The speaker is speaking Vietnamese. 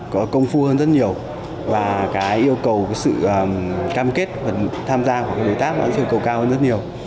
có công phu hơn rất nhiều và cái yêu cầu sự cam kết và tham gia của đối tác sẽ cầu cao hơn rất nhiều